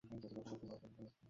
ওমর সাইফ, এক মিনিট।